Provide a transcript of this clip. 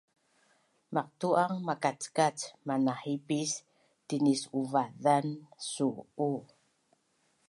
maqtu’ang makackac manahipis tinisuva’azan su’u